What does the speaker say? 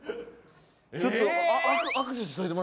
ちょっと。